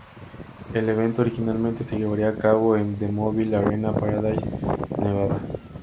El evento originalmente se llevaría a cabo en el T-Mobile Arena en Paradise, Nevada.